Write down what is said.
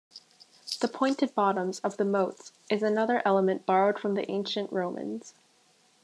The pointed bottoms of the moats is another element borrowed from the Ancient Romans.